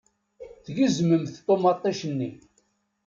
Tgezmemt ṭumaṭic-nni.